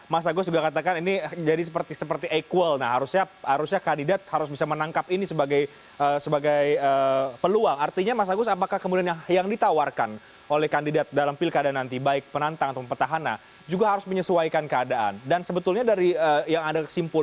mas agus melas dari direktur sindikasi pemilu demokrasi